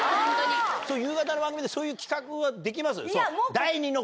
夕方の番組で、そういう企画はできます？